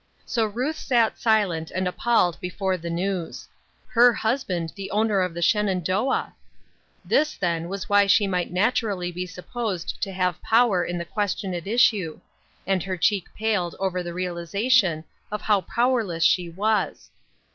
So Ruth sat silent and appalled before the news. Her husband the owner of the Shenandoah ! This, then, was why she might naturally be sup posed to have power in the question at issue ; and her cheek paled over the realization of how power less she was.